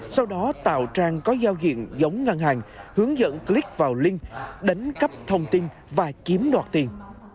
sau đó tạo trang có giao diện giống ngân hàng hướng dẫn click vào link đánh cấp thông tin và kiếm đoạt tiền